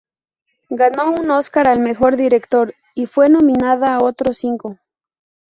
Ganó un Oscar al mejor director, y fue nominada a otros cinco.